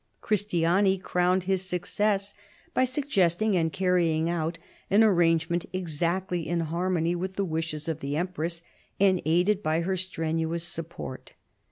Ghristiani crowned his success by suggesting, and carrying out, an arrangement exactly in harmony with the wishes of the empress, and aided by her strenuous support.